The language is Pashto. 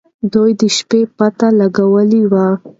دوی د شپې پته لګولې وه.